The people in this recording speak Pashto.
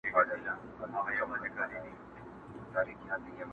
بس د سترګو په یو رپ کي دا شېبه هم نوره نه وي!!